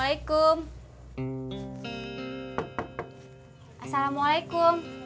tidak cemuk havia h bagi itu